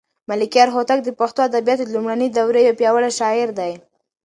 ملکیار هوتک د پښتو ادبیاتو د لومړنۍ دورې یو پیاوړی شاعر دی.